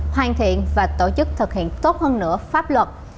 hoàn thiện và tổ chức thực hiện tốt hơn nữa pháp luật